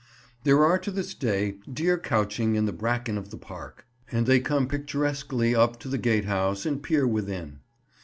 There are to this day deer couching in the bracken of the park, and they come picturesquely up to the gatehouse and peer within.